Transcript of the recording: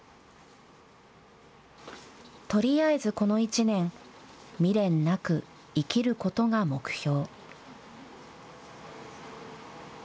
とりあえずこの１年未練なく生きることが目標。